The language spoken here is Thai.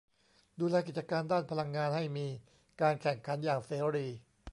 ดูแลกิจการด้านพลังงานให้มีการแข่งขันอย่างเสรี